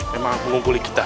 memang mengungkuli kita